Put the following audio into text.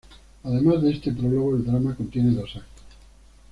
Además de este prólogo, el drama contiene dos actos.